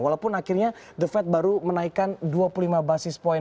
walaupun akhirnya the fed baru menaikkan dua puluh lima basis point